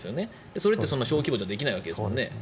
それって小規模じゃできないわけですよね。